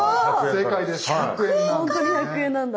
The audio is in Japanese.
本当に１００円なんだ。